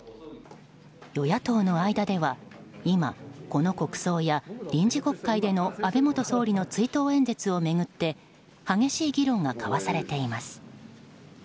与野党の間では、今この国葬や臨時国会での安倍元総理の追悼演説を巡って激しい議論が交わされています。